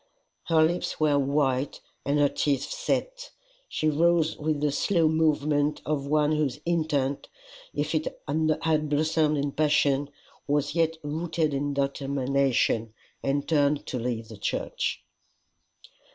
Her lips were white, and her teeth set. She rose with the slow movement of one whose intent, if it had blossomed in passion, was yet rooted in determination, and turned to leave the church.